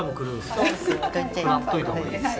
そうですよ。